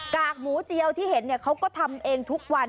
กากหมูเจียวที่เห็นเขาก็ทำเองทุกวัน